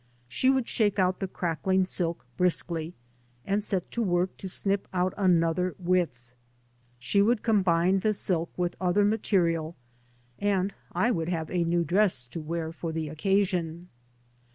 She would shake out the crackling silk briskly and set to work to snip out another width. She would combine the silk with another mate rial, and I would have a new dress to wear for the occasion.